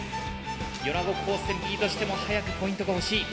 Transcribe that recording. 米子高専Ｂとしても早くポイントが欲しい。